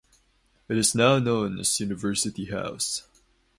It is now known as University House.